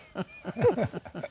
ハハハハ！